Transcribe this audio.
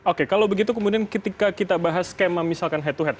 oke kalau begitu kemudian ketika kita bahas skema misalkan head to hea